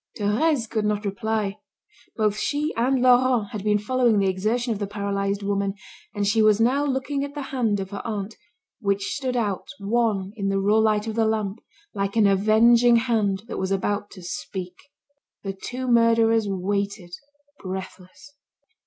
Thérèse could not reply. Both she and Laurent had been following the exertion of the paralysed woman, and she was now looking at the hand of her aunt, which stood out wan in the raw light of the lamp, like an avenging hand that was about to speak. The two murderers waited, breathless.